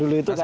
dulu itu kan